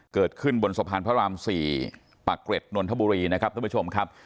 เกิดขึ้นบนสะพานพระราม๔ปากเกร็ดนนทบุรีนะครับท่านผู้ชมครับ